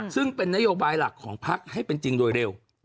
ซึ่งเป็นนโยบายหลักของพักให้เป็นจริงโดยเร็ว